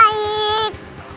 tapi mijiz sudah terserah besi